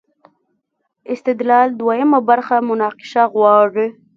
استدلال دویمه برخه مناقشه غواړي.